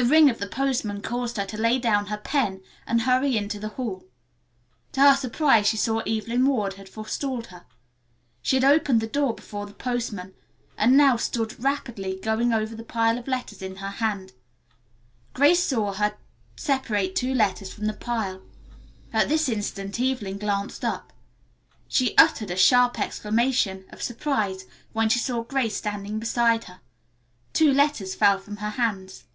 The ring of the postman caused her to lay down her pen and hurry into the hall. To her surprise she saw Evelyn Ward had forestalled her. She had opened the door for the postman, and now stood rapidly going over the pile of letters in her hand. Grace saw her separate two letters from the pile. At this instant Evelyn glanced up. She uttered a sharp exclamation of surprise when she saw Grace standing beside her. Two letters fell from her hands.